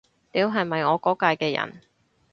屌，係咪我嗰屆嘅人